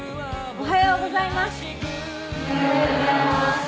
おはようございます。